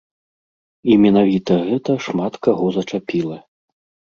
І менавіта гэта шмат каго зачапіла.